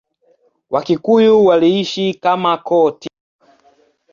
Wakikuyu waliishi kama koo tisa.